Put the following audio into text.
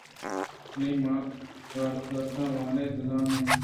نی ما گالرداں وان این ءُ زان ایں۔